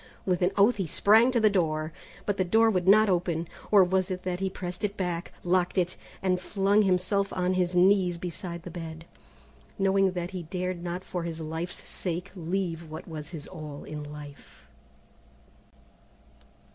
With an oath he sprang to the door, but the door would not open, or was it that he pressed it back, locked it, and flung himself on his knees beside the bed, knowing that he dared not for his life's sake leave what was his all in life.